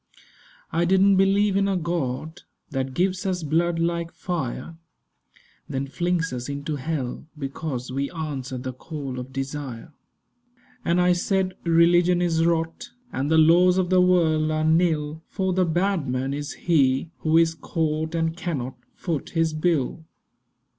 I didn't believe in a God That gives us blood like fire, Then flings us into hell because We answer the call of desire. And I said: 'Religion is rot, And the laws of the world are nil; For the bad man is he who is caught And cannot foot his bill.